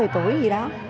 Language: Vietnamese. chín một mươi tuổi gì đó